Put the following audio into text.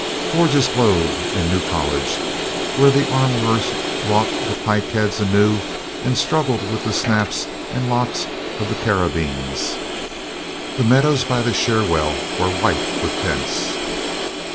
Forges glowed in New College, where the armorers wrought the pike heads anew and struggled with the snaps and locks of the cara bines. The meadows by the Cherwell were white with tents.